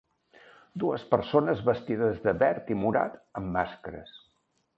Dues persones vestides de verd i morat amb màscares.